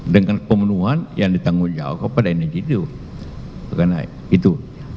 dengan pemenuhan yang ditanggung jawab kepada energi itu